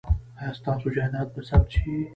ایا ستاسو جایداد به ثبت شي؟